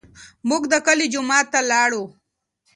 موږ د کلي جومات ته لاړو.